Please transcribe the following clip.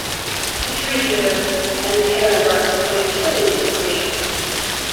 He freed her, and the pair embarked on a killing spree.